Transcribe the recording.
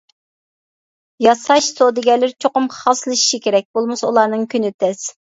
ياساش سودىگەرلىرى چوقۇم خاسلىشىشى كېرەك، بولمىسا ئۇلارنىڭ كۈنى تەس.